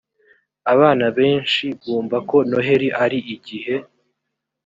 abana benshi bumva ko noheli ari igihe